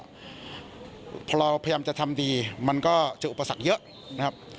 เพราะเราพยายามจะทำดีมันก็เจออุปสรรคเยอะนะครับ